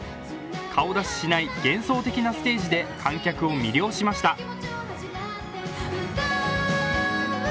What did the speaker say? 顔出ししない幻想的なステージで観客を魅了しました。